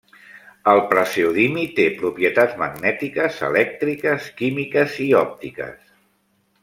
El praseodimi té propietats magnètiques, elèctriques, químiques i òptiques.